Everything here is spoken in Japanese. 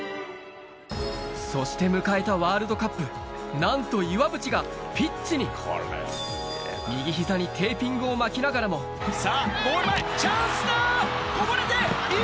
そして迎えたワールドカップなんと岩渕がピッチに右膝にテーピングを巻きながらもさぁゴール前。